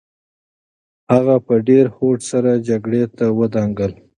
هغه په ډېر هوډ سره جګړې ته ودانګل.